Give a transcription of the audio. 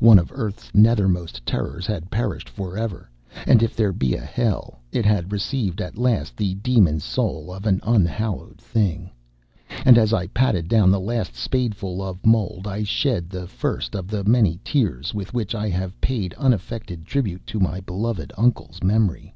One of earth's nethermost terrors had perished for ever; and if there be a hell, it had received at last the demon soul of an unhallowed thing. And as I patted down the last spadeful of mold, I shed the first of the many tears with which I have paid unaffected tribute to my beloved uncle's memory.